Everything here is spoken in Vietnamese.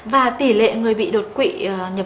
và tỷ lệ người bị đột quỵ nhập